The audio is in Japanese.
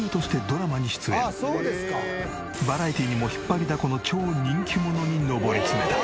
バラエティにも引っ張りだこの超人気者に上り詰めた。